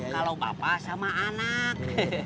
kalau bapak sama anak